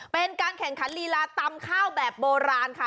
เป็นการแข่งขันลีลาตำข้าวแบบโบราณค่ะ